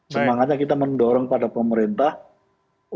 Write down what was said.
semangatnya kita mendorong pada pemerintah